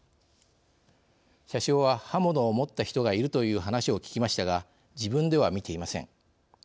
車掌は「刃物を持った人がいる」という話を聞きましたが自分では見ていません。